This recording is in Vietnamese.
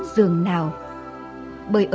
dường nào bởi ở đó